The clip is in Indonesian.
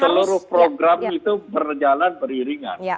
seluruh program itu berjalan beriringan